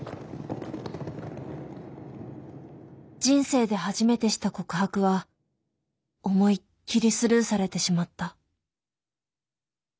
人生で初めてした告白は思いっきりスルーされてしまった。